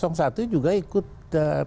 pihak yang terkait ikut dua didalamnya